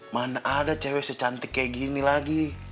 mana ada cewek secantik kayak gini lagi